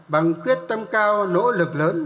bằng quyết tâm cao nỗ lực lớn